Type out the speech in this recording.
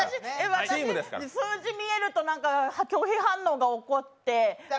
私、数字が見えると拒否反応が起こって。